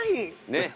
ねっ。